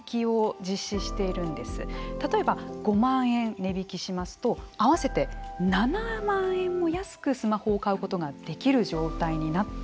例えば５万円値引きしますと合わせて７万円も安くスマホを買うことができる状態になっているんですね。